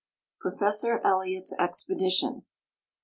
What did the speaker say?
Profe ssor Elliot's Expedition.